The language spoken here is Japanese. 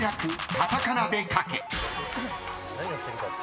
カタカナで書け］